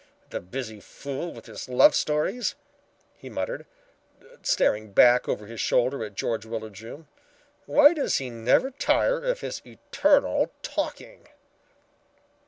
"The busy fool with his love stories," he muttered, staring back over his shoulder at George Willard's room, "why does he never tire of his eternal talking."